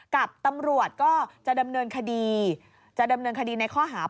กับตำรวจก็จะดำเนินคดีจะดำเนินคดีในข้อหา